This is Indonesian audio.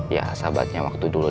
ya sahabatnya waktu dulu